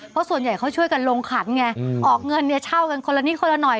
เพราะส่วนใหญ่เขาช่วยกันลงขันไงออกเงินเนี่ยเช่ากันคนละนิดคนละหน่อย